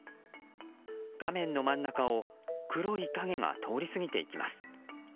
画面の真ん中を黒い影が通り過ぎていきます。